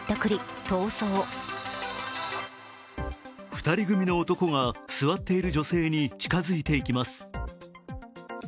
２人組の男が座っている女性に近づいていきます。